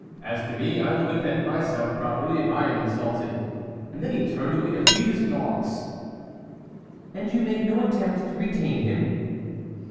As to me, I will defend myself properly, if I am insulted;' and then he turned away to feed his dogs." "And you made no attempt to retain him?"